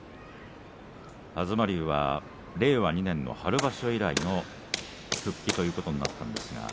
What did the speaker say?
東龍は、令和２年の春場所以来の復帰ということになりました。